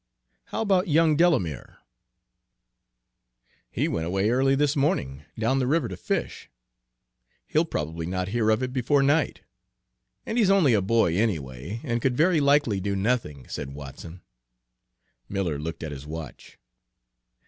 "How about young Delamere?" "He went away early this morning, down the river, to fish. He'll probably not hear of it before night, and he's only a boy anyway, and could very likely do nothing," said Watson. Miller looked at his watch.